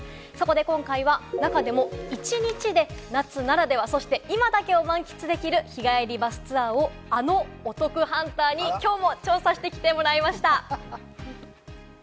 今回は中でも一日で夏ならでは、そして今だけを満喫できる日帰りバスツアーをあのお得ハンターに今日も調査してきてもらいました。